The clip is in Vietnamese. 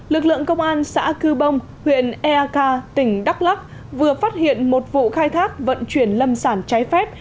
lực lượng công an xã cư bông huyện eak tỉnh đắk lắc vừa phát hiện một vụ khai thác vận chuyển lâm sản trái phép